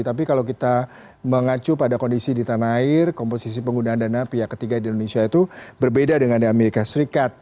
tapi kalau kita mengacu pada kondisi di tanah air komposisi penggunaan dana pihak ketiga di indonesia itu berbeda dengan di amerika serikat